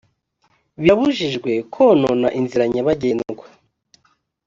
birabujijwe konona inzira nyabagendwa